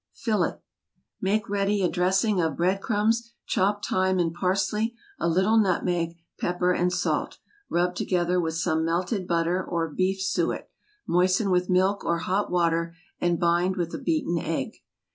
FILLET. Make ready a dressing of bread crumbs, chopped thyme and parsley; a little nutmeg, pepper and salt, rubbed together with some melted butter or beef suet; moisten with milk or hot water, and bind with a beaten egg.